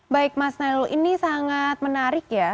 baik mas nailul ini sangat menarik ya